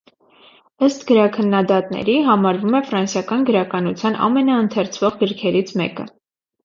Ըստ գրաքննադատների համարվում է «ֆրանսիական գրականության ամենաընթերցվող գրքերից մեկը»։